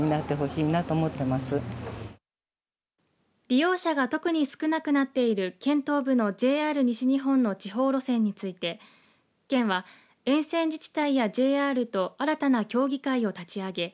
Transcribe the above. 利用者が特に少なくなっている県東部のＪＲ西日本の地方路線について県は沿線自治体やＪＲと新たな協議会を立ち上げ